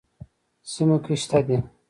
سیموکې شته دي.